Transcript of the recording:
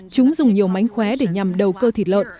chúng dùng nhiều mánh khóe để nhằm đầu cơ thịt lợn